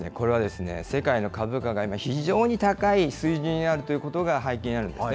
これはですね、世界の株価が今、高い水準にあるということが背景にあるんですね。